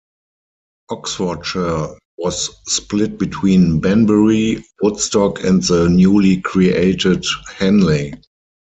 Oxfordshire was split between Banbury, Woodstock and the newly created Henley.